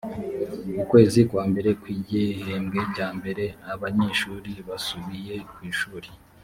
ukwezi kwa mbere kw igihembwe cya mbere abanyeshuri basubiye kwishuri